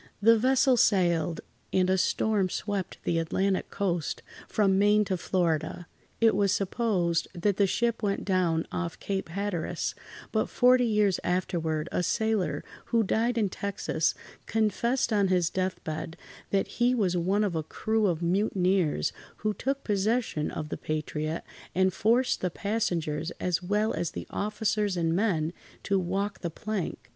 The vessel sailed—and a storm swept the Atlantic coast from Maine to Florida. It was supposed that the ship went down off Cape Hatteras, but forty years afterward, a sailor, who died in Texas, confessed on his death bed that he was one of a crew of mutineers who took possession of the Patriot and forced the passengers, as well as the officers and men, to walk the plank.